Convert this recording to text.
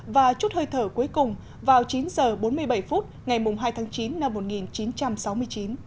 và chút hơi thở cuối cùng vào chín h bốn mươi bảy phút ngày hai tháng chín năm một nghìn chín trăm sáu mươi chín